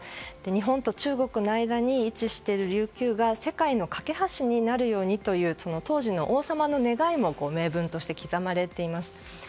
日本と中国の間に位置している琉球が世界の架け橋になるようにと当時の王様の願いも銘文として刻まれています。